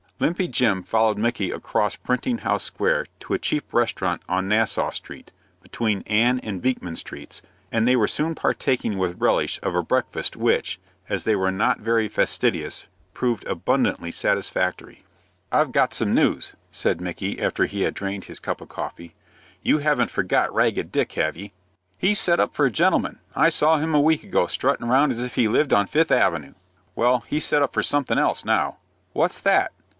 Limpy Jim followed Micky across Printing House Square to a cheap restaurant on Nassau Street, between Ann and Beekman Streets, and they were soon partaking with relish of a breakfast which, as they were not very fastidious, proved abundantly satisfactory. "I've got some news," said Micky, after he had drained his cup of coffee. "You haven't forgot Ragged Dick, have ye?" "He's set up for a gentleman. I saw him a week ago strutting round as if he lived on Fifth Avenue." "Well, he's set up for something else now." "What's that?"